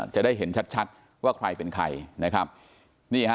จะได้เห็นชัดว่าใครเป็นใคร